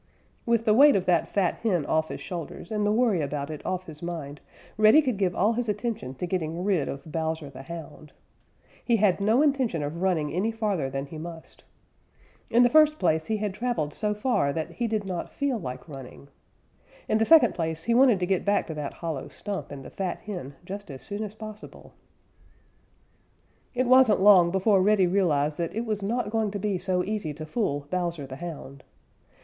With the weight of that fat hen off his shoulders, and the worry about it off his mind, Reddy could give all his attention to getting rid of Bowser the Hound. He had no intention of running any farther than he must. In the first place he had traveled so far that he did not feel like running. In the second place he wanted to get back to that hollow stump and the fat hen just as soon as possible. It wasn't long before Reddy realized that it was not going to be so easy to fool Bowser the Hound.